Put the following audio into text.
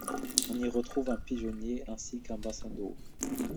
On y retrouve un pigeonnier ainsi qu'un bassin d'eau.